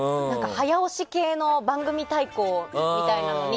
早押し系の番組対抗みたいなのに「ＺＩＰ！」